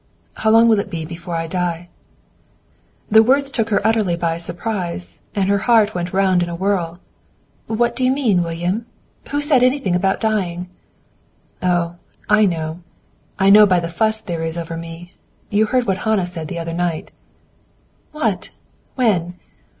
"How long will it be before I die?" The words took her utterly by surprise, and her heart went round in a whirl. "What do you mean, William? Who said anything about dying?" "Oh, I know. I know by the fuss there is over me. You heard what Hannah said the other night." "What? When?"